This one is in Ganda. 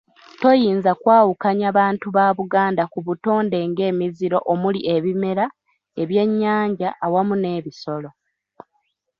Toyinza kwawukanya bantu ba Buganda ku butonde ng’emiziro omuli ebimera, ebyennyanja awamu n’ebisolo.